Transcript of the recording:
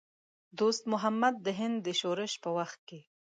دوست محمد د هند د شورش په وخت کې.